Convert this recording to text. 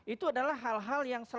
itu adalah hal hal yang